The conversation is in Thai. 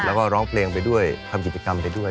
แล้วก็ร้องเพลงไปด้วยทำกิจกรรมไปด้วย